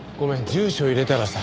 住所入れたらさ